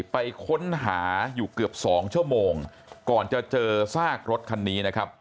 ไปค้นหาอยู่เกือบ๒ชั่วโมงก่อนจะเจอซากรถคันนี้นะครับ